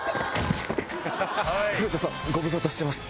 古田さんご無沙汰してます！